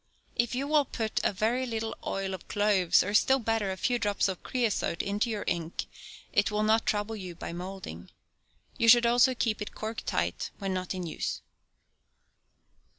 If you will put a very little oil of cloves, or still better, a few drops of creosote, into your ink, it will not trouble you by moulding. You should also keep it corked tight when not in use.